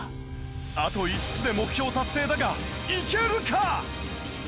あと５つで目標達成だがいけるか？